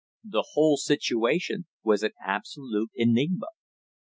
The whole situation was an absolute enigma.